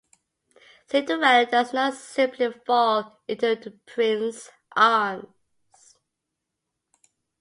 Cinderella does not simply fall into the prince's arms.